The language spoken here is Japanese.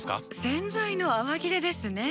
洗剤の泡切れですね。